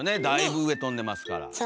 だいぶ上飛んでますから。